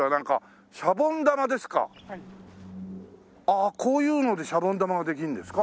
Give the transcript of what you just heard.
ああこういうのでシャボン玉ができるんですか？